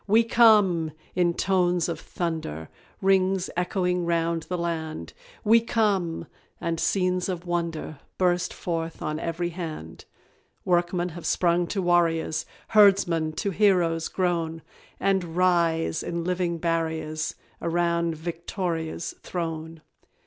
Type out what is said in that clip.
"WE COME!" in tones of thunder, Rings echoing round the land; "We come!" and scenes of wonder Burst forth on every hand. Workmen have sprung to warriors, Herdsmen to heroes grown, And rise, in living barriers, Around VICTORIA'S throne.